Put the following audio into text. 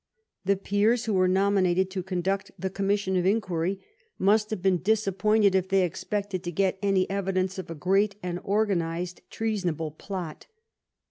The peers who were nominated to conduct the commission of inquiry must have been disappointed if they ex pected to get any evidence of a great and organized treasonable plot.